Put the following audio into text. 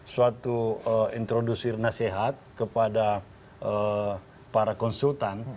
suatu introdusir nasihat kepada para konsultan